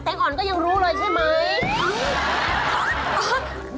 อ่อนก็ยังรู้เลยใช่ไหม